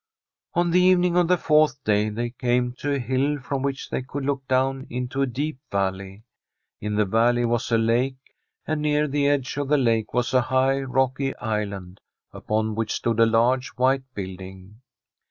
On the evening of the fourth day they came to a hill from which they could look down into a deep valley. In the valley was a lake, and near the ed^e of the lake was a high, rocky island, upon which stood a large white building.